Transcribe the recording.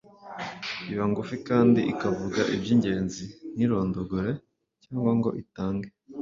iba ngufi kandi ikavuga iby’ingenzi ntirondogore cyangwa ngo itange